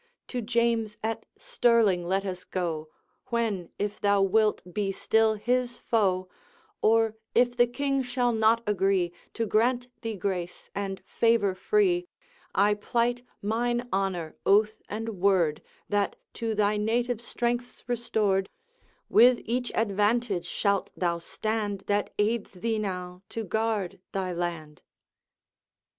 To James at Stirling let us go, When, if thou wilt be still his foe, Or if the King shall not agree To grant thee grace and favor free, I plight mine honor, oath, and word That, to thy native strengths restored, With each advantage shalt thou stand That aids thee now to guard thy land.'